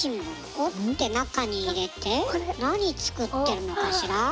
折って中に入れて何作ってるのかしら？